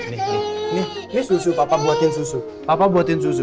ini susu papa buatin susu